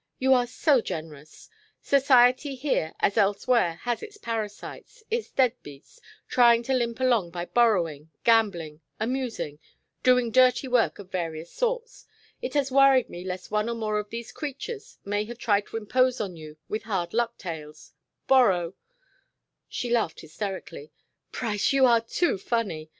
You are so generous. Society here as elsewhere has its parasites, its dead beats, trying to limp along by borrowing, gambling, 'amusing,' doing dirty work of various sorts. It has worried me lest one or more of these creatures may have tried to impose on you with hard luck tales borrow " She laughed hysterically. "Price, you are too funny!